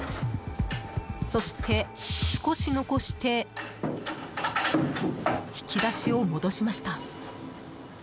そして、少し残して引き出しを戻しました。